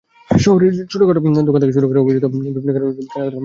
শহরের ছোটখাটো দোকান থেকে শুরু করে অভিজাত বিপণিকেন্দ্রগুলোতে চলছে কেনাকাটার মহোৎসব।